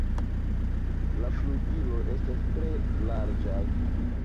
La flugiloj estas tre larĝaj.